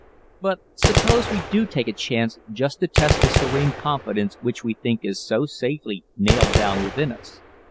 But suppose we do take a chance just to test the serene confidence which we think is so safely nailed down within us.